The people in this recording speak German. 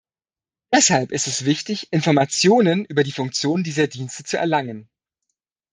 Deshalb ist es wichtig, Informationen über die Funktion dieser Dienste zu erlangen.